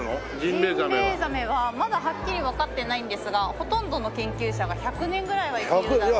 ジンベエザメはまだはっきりわかってないんですがほとんどの研究者が１００年ぐらいは生きるだろう。